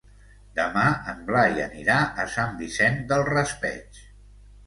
Demà en Blai anirà a Sant Vicent del Raspeig.